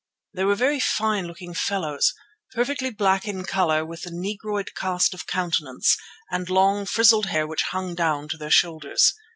They were very fine looking fellows, perfectly black in colour with a negroid cast of countenance and long frizzled hair which hung down on to their shoulders.